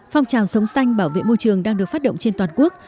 phong trào sống xanh bảo vệ môi trường đang được phát động trên toàn quốc